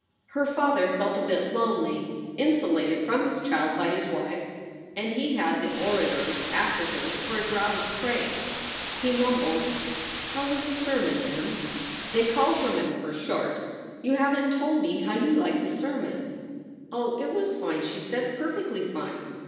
Her father felt a bit lonely, insulated from his child by his wife; and he had the orator s afterthirst for a draught of praise. He mumbled : "How was the sermon, Mem?" They called her Mem for short. You haven t told me how you liked the sermon. "Oh, it was fine," she said, "perfectly fine.